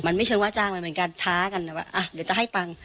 มันไม่ใช่ว่าจ้างมันเป็นการท้ากันว่าเดี๋ยวจะให้ตังค์